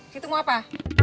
situ mau apa